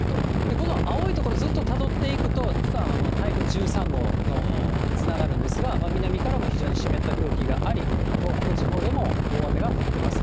この青い所、ずっとたどっていくと、実は台風１３号につながるんですが、南から非常に湿った空気があり、東北地方でも大雨が降ってます。